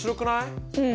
うん。